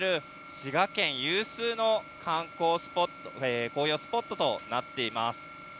滋賀県有数の紅葉スポットとなっています。